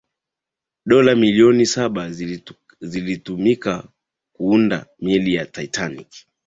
dola milioni saba zilitumika kuunda meli ya titanic